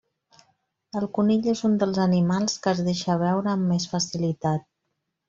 El conill és un dels animals que es deixa veure amb més facilitat.